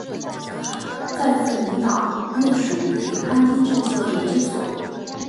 在自民党内属于番町政策研究所。